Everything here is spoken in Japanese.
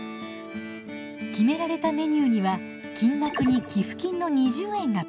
決められたメニューには金額に寄付金の２０円がプラスされています。